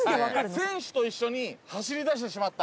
選手と一緒に走りだしてしまった。